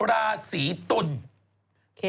อะไรกะ